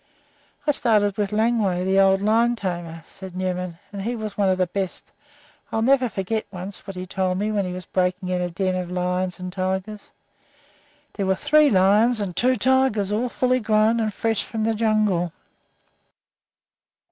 "I started with Langway, the old lion tamer," said Newman, "and he was one of the best. I'll never forget what he told me once when he was breaking in a den of lions and tigers there were three lions and two tigers, all full grown and fresh from the jungle.